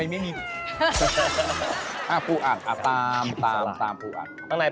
มันมีกลิ่นของสาลาย